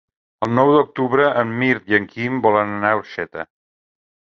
El nou d'octubre en Mirt i en Quim volen anar a Orxeta.